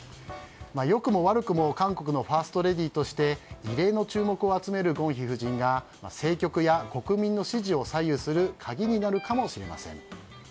良くも悪くも韓国のファーストレディーとして異例の注目を集めるゴンヒ夫人が政局や国民の支持を左右する鍵になるかもしれません。